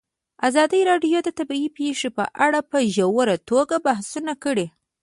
ازادي راډیو د طبیعي پېښې په اړه په ژوره توګه بحثونه کړي.